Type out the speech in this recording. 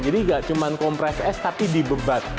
jadi tidak cuma compress es tapi dibebaskan